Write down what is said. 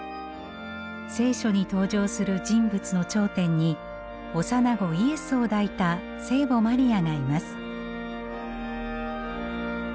「聖書」に登場する人物の頂点に幼子イエスを抱いた聖母マリアがいます。